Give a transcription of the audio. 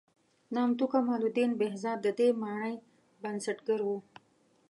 نامتو کمال الدین بهزاد د دې مانۍ بنسټګر و.